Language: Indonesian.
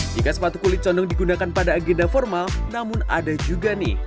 jika sepatu kulit condong digunakan pada agenda formal namun ada juga nih